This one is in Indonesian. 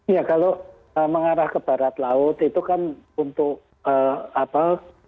ya kalau mengarah ke barat laut itu kan untuk apa